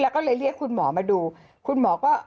แล้วก็เลยเรียกคุณหมอมาดูคุณหมอก็